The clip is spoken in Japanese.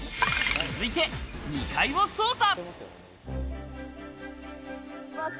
続いて２階を捜査！